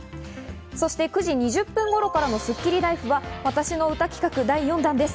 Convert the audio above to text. そして９時２０分頃からのスッキリＬＩＦＥは私の歌企画第４弾です。